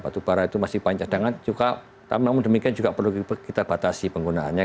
batubara itu masih banyak cadangan namun demikian juga perlu kita batasi penggunaannya